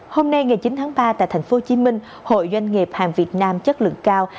hôm nay ngày chín tháng ba tại tp hcm hội doanh nghiệp hàng việt nam chất lượng cao